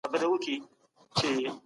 هغه ملګري چي لاړل بیرته نه راځي.